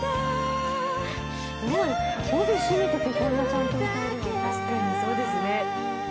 すごい帯締めててこんなちゃんと歌えるの確かにそうですね